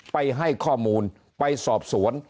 ไปให้ข้อมูลไปสอบสวน